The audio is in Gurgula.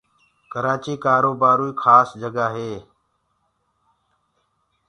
ڪرآچيٚ ڪآروبآروئيٚ کآس جگآ هي